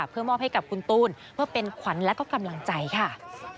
เพื่อมอบให้กับคุณตูนเพื่อเป็นขวัญและก็กำลังใจค่ะ